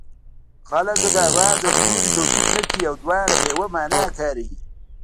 خلک د آواز او توري توپیر نه کوي او دواړه په یوه مانا کاروي